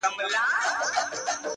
پلار ویله څارنوال ته نه پوهېږي-